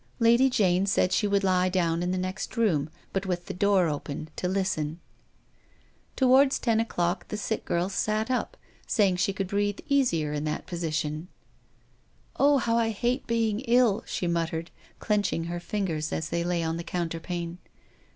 Lady Jane said she would sit up in bed with the door open, and listen. Toward ten o'clock Alison sat up, saying she could breathe easier in that position. " Oh, how I hate being ill," she muttered, clenching her fingers as they lay on the coun terpane.